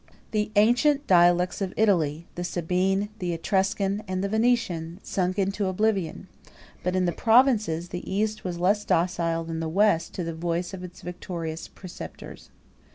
37 The ancient dialects of Italy, the Sabine, the Etruscan, and the Venetian, sunk into oblivion; but in the provinces, the east was less docile than the west to the voice of its victorious preceptors.